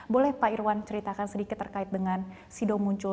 boleh pak irwan ceritakan sedikit terkait dengan sido muncul